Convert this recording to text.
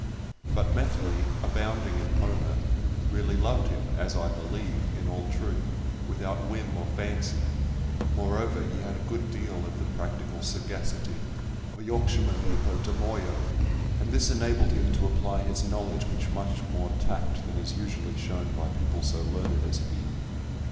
But Methley, abounding in Homer, really loved him (as I believe) in all truth, without whim or fancy; moreover, he had a good deal of the practical sagacity "Of a Yorkshireman hippodamoio," and this enabled him to apply his knowledge with much more tact than is usually shown by people so learned as he.